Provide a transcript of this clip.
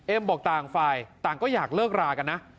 บอกต่างฝ่ายต่างก็อยากเลิกรากันนะ